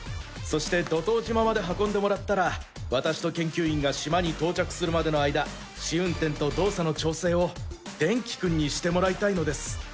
そしてドトウ島まで運んでもらったら私と研究員が島に到着するまでの間試運転と動作の調整をデンキくんにしてもらいたいのです。